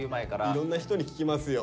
いろんな人に聞きますよ。